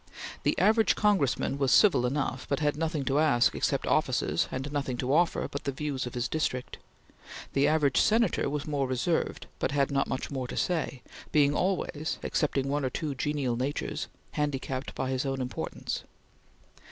The average Congressman was civil enough, but had nothing to ask except offices, and nothing to offer but the views of his district. The average Senator was more reserved, but had not much more to say, being always excepting one or two genial natures, handicapped by his own importance.